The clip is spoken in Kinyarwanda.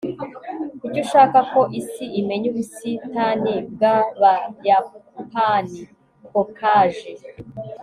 kuki ushaka ko isi imenya ubusitani bwabayapani? (kokage